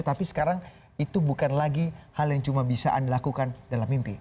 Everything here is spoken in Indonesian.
tapi sekarang itu bukan lagi hal yang cuma bisa anda lakukan dalam mimpi